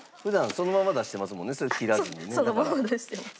そのまま出してます。